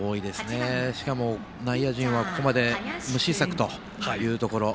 しかも内野陣はここまで無失策というところ。